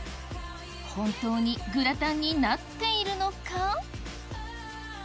本当にグラタンになっているのか？